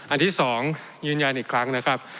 อันที่๒ยืนยันอีกครั้งนะครับ